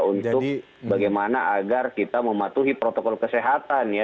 untuk bagaimana agar kita mematuhi protokol kesehatan ya